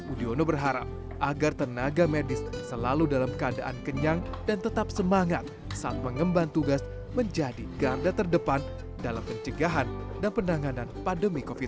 udiono berharap agar tenaga medis selalu dalam keadaan kenyang dan tetap semangat saat mengemban tugas menjadi garda terdepan dalam pencegahan dan penanganan pandemi covid sembilan belas